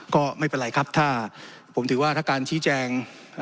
ก็ไม่เป็นไรครับถ้าผมถือว่าถ้าการชี้แจง